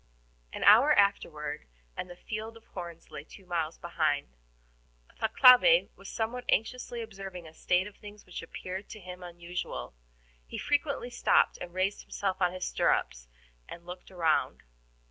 An hour afterward and the field of horns lay two miles behind. Thalcave was somewhat anxiously observing a state of things which appeared to him unusual. He frequently stopped and raised himself on his stirrups and looked around.